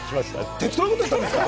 適当なことなんですか？